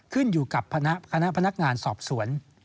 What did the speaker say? ขึ้นอยู่กับคณะพนักงานสอบสวน